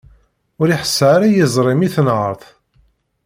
Ur iṣeḥḥa ara yiẓri-m i tenhert.